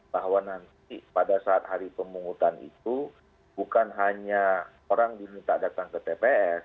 bahwa nanti pada saat hari pemungutan itu bukan hanya orang diminta datang ke tps